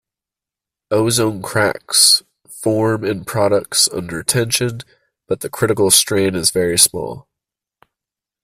Ozone cracks form in products under tension, but the critical strain is very small.